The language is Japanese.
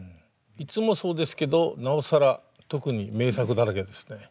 いつもそうですけどなおさら特に名作だらけですね。